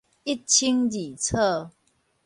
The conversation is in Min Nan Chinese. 一清二楚